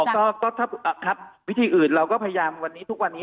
ก็ถ้าวิธีอื่นเราก็พยายามวันนี้ทุกวันนี้